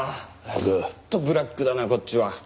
本当ブラックだなこっちは。